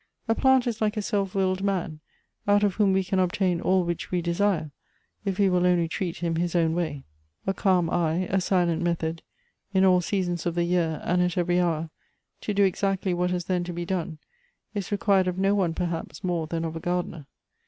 A plant is like a self willed man, out of whom we can obtain all which we desire, if we will only treat him his own way. A calm eye, a silent method, in all seasons of the year, and at every hour, to do exactly what has then to be done, is required of no one perhaps more than of a gardener.